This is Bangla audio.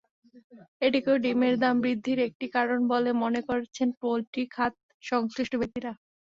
এটিকেও ডিমের দাম বৃদ্ধির একটি কারণ বলে মনে করছেন পোলট্রি খাত-সংশ্লিষ্ট ব্যক্তিরা।